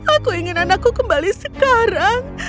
aku ingin anakku kembali sekarang